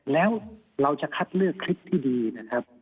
แล้วเราจะคัดเลือกคลิปที่ดีนะครับ